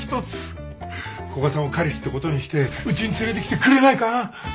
古賀さんを彼氏ってことにしてうちに連れてきてくれないかな？